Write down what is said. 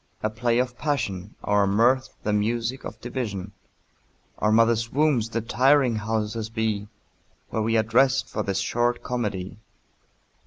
A play of passion, Our mirth the music of division, Our mother's wombs the tiring houses be, Where we are dressed for this short comedy.